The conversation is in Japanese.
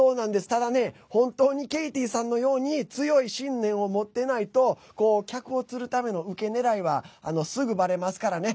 ただ本当にケイティさんのように強い信念を持ってないと客を釣るためのウケ狙いはすぐばれますからね。